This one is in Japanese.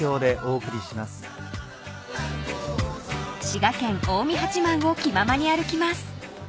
［滋賀県近江八幡を気ままに歩きます］